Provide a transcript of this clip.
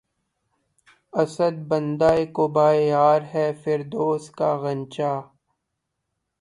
اسد! بندِ قباے یار‘ ہے فردوس کا غنچہ